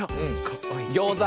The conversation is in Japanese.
ギョーザ。